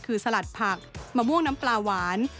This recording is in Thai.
คือสลัดผักมะม่วงน้ำปลาหวาน